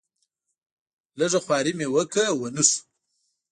لږه خواري مې وکړه ونه شو.